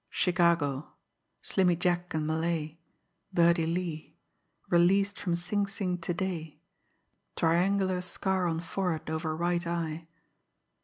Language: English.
Chicago ... Slimmy Jack and Malay ... Birdie Lee ... released from Sing Sing to day ... triangular scar on forehead over right eye...."